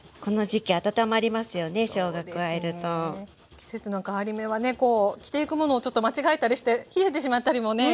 季節の変わり目はねこう着ていくものをちょっと間違えたりして冷えてしまったりもねしますから。